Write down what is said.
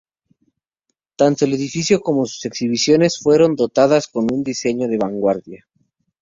Tanto el edificio como sus exhibiciones fueron dotadas con un diseño de vanguardia.